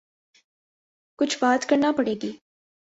کچھ بات کرنا پڑے گی۔